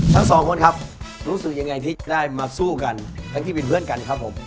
ทั้งสองคนครับรู้สึกยังไงที่ได้มาสู้กันทั้งที่เป็นเพื่อนกันครับผม